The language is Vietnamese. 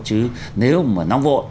chứ nếu mà nóng vội